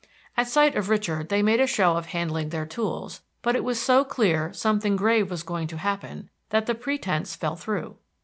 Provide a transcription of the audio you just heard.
At sight of Richard they made a show of handling their tools, but it was so clear something grave was going to happen that the pretense fell through.